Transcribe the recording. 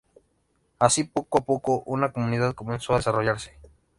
Así poco a poco una comunidad comenzó a desarrollarse.